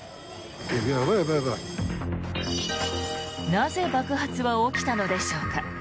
なぜ爆発は起きたのでしょうか。